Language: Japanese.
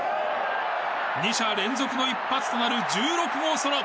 ２者連続の一発となる１６号ソロ。